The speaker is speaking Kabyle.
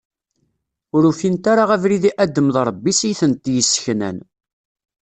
Ur ufint ara abrid i Adem d Ṛebbi-s i tent-yesseknan.